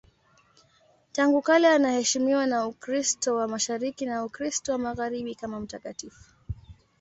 Tangu kale anaheshimiwa na Ukristo wa Mashariki na Ukristo wa Magharibi kama mtakatifu.